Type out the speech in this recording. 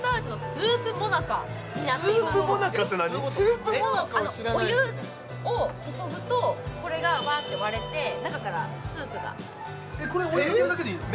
スープもなかを知らないじゃんあのお湯を注ぐとこれが割れて中からスープがお湯入れるだけでいいの？